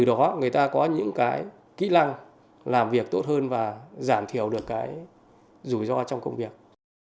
đó người ta có những kỹ năng làm việc tốt hơn và giảm thiểu được cái rủi ro trong công việc